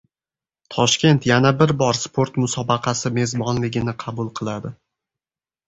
Toshkent yana bir sport musobaqasi mezbonligini qabul qiladi